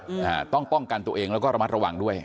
อ่าต้องป้องกันตัวเองแล้วก็ระมัดระวังด้วย